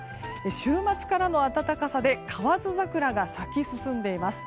週末からの暖かさで河津桜が咲き進んでいます。